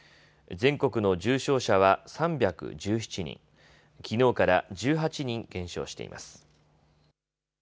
全国の重症者は３１７人、きのうから１８人減少しています。